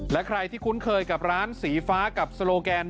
และใครที่คุ้นเคยกับร้านสีฟ้ากับโลแกน